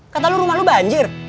kata lu rumah lu banjir